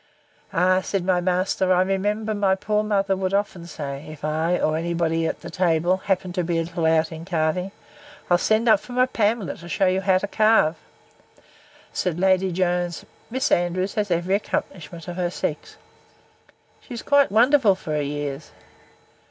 Ay, said my master, I remember my poor mother would often say, if I, or any body at table, happened to be a little out in carving, I'll send up for my Pamela, to shew you how to carve. Said Lady Jones, Mrs. Andrews has every accomplishment of her sex. She is quite wonderful for her years.